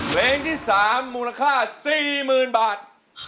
เพลงที่๓มูลค่า๔๐๐๐บาท